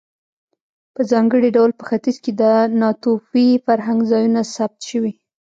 په ځانګړي ډول په ختیځ کې د ناتوفي فرهنګ ځایونه ثبت شوي.